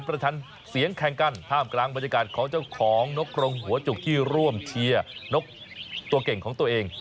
ประชันเสียงแข่งกันท่ามกลางบรรยากาศของเจ้าของนกรงหัวจุกที่ร่วมเชียร์นกตัวเก่งของตัวเอง